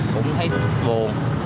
cũng thấy buồn